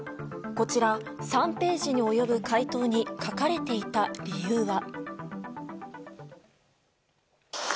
こちら、３ページに及ぶ回答に書かれていた理由は。